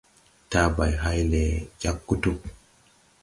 Tàabay hay lɛ jag gutug.